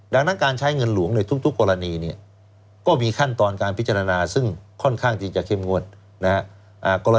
ดังนั้นการใช้เงินหลวงในทุกกรณีเนี่ยก็มีขั้นตอนการพิจารณาซึ่งค่อนข้างที่จะเข้มงวดนะครับ